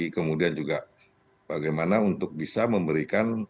kemudian juga bagaimana untuk bisa memberikan